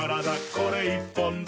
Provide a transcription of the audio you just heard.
これ１本で」